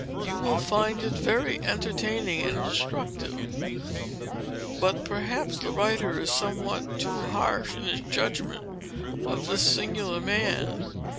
You will find it very entertaining and instructive; but perhaps the writer is somewhat too harsh in his judgment of this singular man.